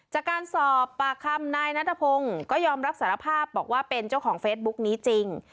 จากการสอบปากคำนายนัทพงศ์ก็ยอมรับสารภาพบอกว่าเป็นเจ้าของเฟซบุ๊กนี้จริง